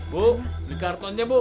bu beli kartonnya bu